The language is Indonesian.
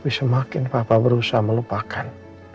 tapi semakin papa berusaha melupakan